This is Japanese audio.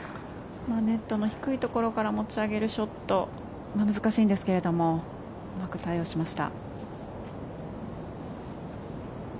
ネットの低いところから持ち上げるショット難しいんですけれどもうまく対応しました。